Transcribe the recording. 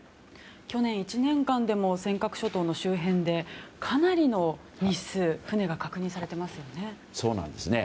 去年１年間でも尖閣諸島の周辺でかなりの日数船が確認されていますよね。